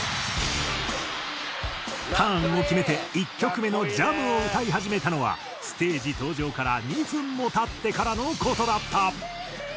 ターンを決めて１曲目の『Ｊａｍ』を歌い始めたのはステージ登場から２分も経ってからの事だった。